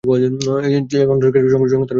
এটি অন্ধ্র ক্রিকেট সংস্থার মালিকানাধীন।